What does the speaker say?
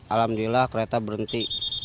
alhamdulillah kereta berhenti